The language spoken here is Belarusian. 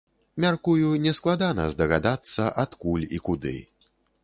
Мяркую, нескладана здагадацца, адкуль і куды.